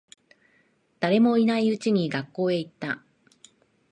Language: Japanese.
誰もいないうちに学校へ行った。